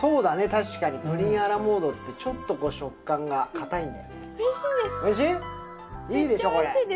確かにプリンア・ラ・モードってちょっと食感がかたいんだよねおいしい？